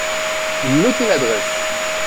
Notez l’adresse.